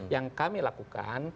yang kami lakukan